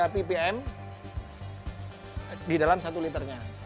sembilan tiga ppm di dalam satu liternya